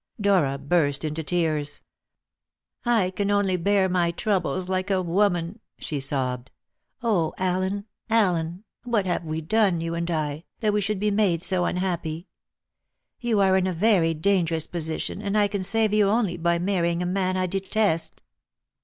Dora burst into tears. "I can only bear my troubles like a woman," she sobbed. "Oh, Allen, Allen! what have we done, you and I, that we should be made so unhappy? You are in a very dangerous position, and I can save you only by marrying a man I detest."